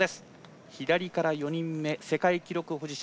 左から４人目世界記録保持者。